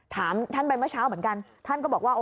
ถามท่านไปเมื่อเช้าเหมือนกันท่านก็บอกว่า